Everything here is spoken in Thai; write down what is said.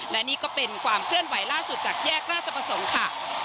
และนี่ก็เป็นความเคลื่อนไหวล่าสุดจากแยกราชประสงค์ค่ะ